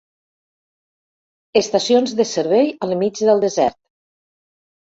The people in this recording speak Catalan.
Estacions de servei al mig del desert.